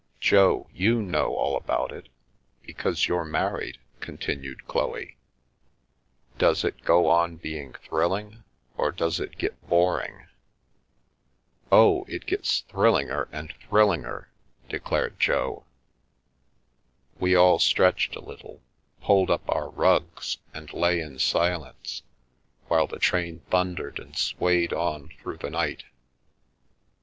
" Jo, you know all about it, because you're married," continued Chloe. " Does it go on being thrilling, or does it get boring ?"" Oh, it gets thrilling er and thrilling er," declared Jo. We all stretched a little, pulled up our rugs and lay in silence, while the train thundered and swayed on through the night.